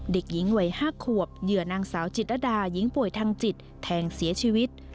เด็กหญิงวัย๕ขวบเหยื่อนางสาวจิตรดาหญิงป่วยทางจิตแทงเสียชีวิต